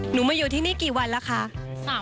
มาอยู่ที่นี่กี่วันแล้วคะ